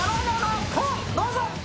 どうぞ！